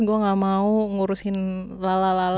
gue enggak mau ngurusin lalala